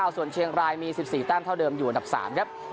ส่วนเชียงรายมี๑๔แต้มเท่าเดิมอยู่อันดับ๓ครับ